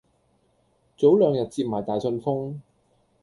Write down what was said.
早兩日接埋大信封